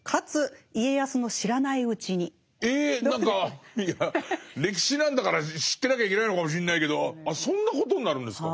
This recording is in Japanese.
何かいや歴史なんだから知ってなきゃいけないのかもしんないけどあそんなことになるんですか。